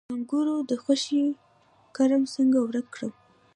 د انګورو د خوشې کرم څنګه ورک کړم؟